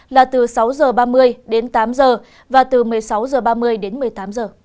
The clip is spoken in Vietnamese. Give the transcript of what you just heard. là từ sáu h ba mươi đến tám giờ và từ một mươi sáu h ba mươi đến một mươi tám h